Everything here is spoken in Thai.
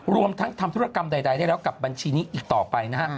รวมทั้งทำธุรกรรมใดได้แล้วกับบัญชีนี้อีกต่อไปนะฮะ